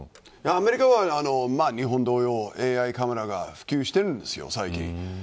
アメリカでは日本同様ＡＩカメラが普及しているんです最近は。